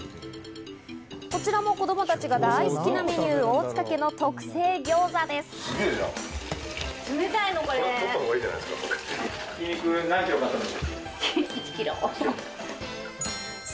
こちらも子供たちが大好きなメニュー、大塚家の特製餃子です。